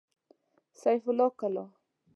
سيف الله کلا